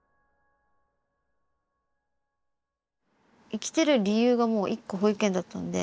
生きてる理由がもう一個保育園だったので。